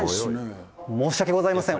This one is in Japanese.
「申し訳ございません。